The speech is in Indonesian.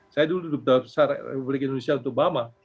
saya dulu duduk di dasar republik indonesia untuk bahama